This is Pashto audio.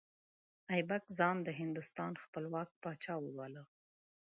ایبک ځان د هندوستان خپلواک پاچا وباله.